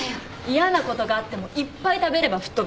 嫌なことがあってもいっぱい食べれば吹っ飛ぶ。